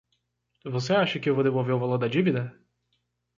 Você acha que eu vou devolver o valor da dívida?